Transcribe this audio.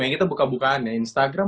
yang kita buka bukaan ya instagram